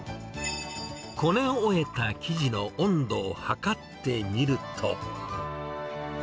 こね終えた生地の温度を測ってみると。